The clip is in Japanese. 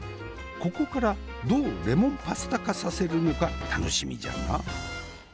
ここからどうレモンパスタ化させるのか楽しみじゃな。